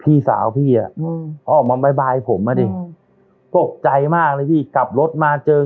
พี่สาวพี่พอออกมาบ๊ายบายผมแล้วดิโปรดมากเลยพี่กับรถมาจึง